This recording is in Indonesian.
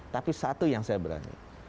tapi satu yang saya berani